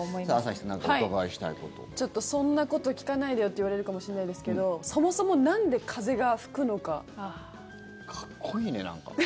ちょっとそんなこと聞かないでよって言われるかもしれないですけどそもそもなんで風が吹くのか。